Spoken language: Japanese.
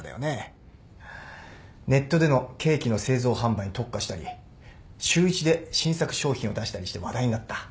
ネットでのケーキの製造販売に特化したり週１で新作商品を出したりして話題になった。